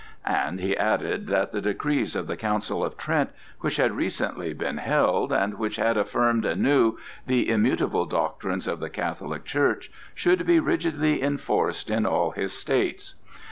And he added that the decrees of the Council of Trent, which had recently been held, and which had affirmed anew the immutable doctrines of the Catholic Church, should be rigidly enforced in all his states.